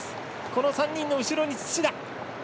３人の後ろに土田。